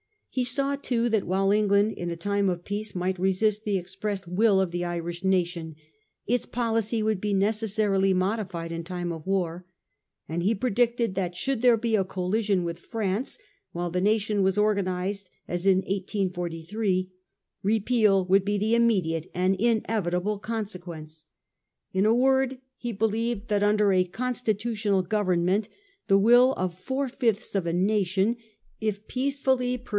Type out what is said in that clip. He saw, too, that while England in a time of peace might resist the expressed will of the Irish nation, its policy would be neces sarily modified in time of war ; and he predicted that should there be a collision with France while the nation was organised as in 1843, Kepeal would be the immediate and the inevitable consequence. In a word, he believed that under a constitutional government the will of four fifths of a nation, if peacefully, perse 1843.